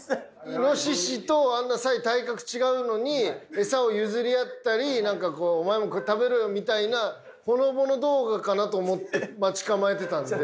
イノシシとあんなサイ体格違うのにエサを譲り合ったり「お前もこれ食べろよ」みたいなほのぼの動画かなと思って待ち構えてたんで。